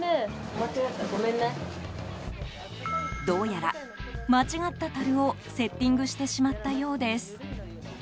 どうやら、間違ったたるをセッティングしてしまったようです。